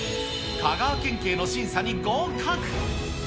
香川県警の審査に合格。